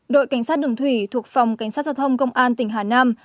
đội cảnh sát đường thủy thuộc phòng cảnh sát giao thông công an tỉnh hà nam